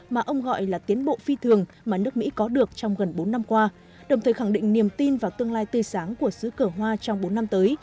mà ông gọi là tiến bộ phi thường mà nước mỹ có được trong gần bốn năm qua đồng thời khẳng định niềm tin vào tương lai tươi sáng của xứ cửa hoa trong bốn năm tới